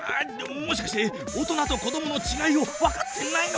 もしかして大人と子どものちがいをわかってないのか？